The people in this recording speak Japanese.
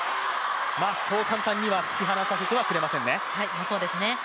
そう簡単には突き放させてはくれませんね。